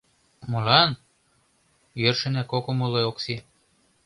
— Молан? — йӧршынак ок умыло Окси.